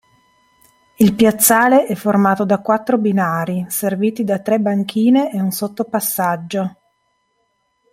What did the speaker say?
Il piazzale è formato da quattro binari serviti da tre banchine e un sottopassaggio.